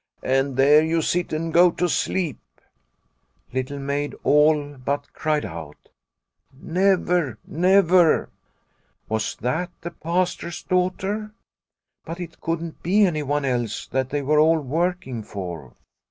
" And there you sit and go to sleep." Little Maid all but cried out " Never, never !" Was that the Pastor's daughter ? But it couldn't be anyone else that they were all working for.